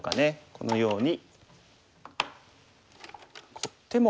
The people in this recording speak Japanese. このように。